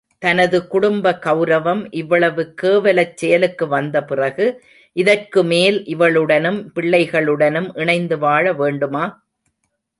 தனது குடும்ப கெளரவம் இவ்வளவு கேவலச் செயலுக்கு வந்த பிறகு, இதற்குமேல் இவளுடனும், பிள்ளைகளுடனும் இணைந்து வாழ வேண்டுமா?